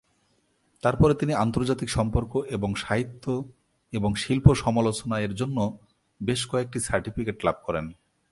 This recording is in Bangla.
তারপরে তিনি আন্তর্জাতিক সম্পর্ক এবং সাহিত্য এবং শিল্প সমালোচনা এর জন্য বেশ কয়েকটি সার্টিফিকেট লাভ করেন।